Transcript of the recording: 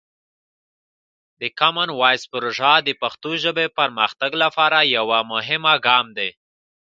د کامن وایس پروژه د پښتو ژبې پرمختګ لپاره یوه مهمه ګام دی.